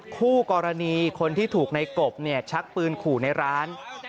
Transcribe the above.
คู่กรณีคนที่ถูกในกบชักปืนขู่ในร้าน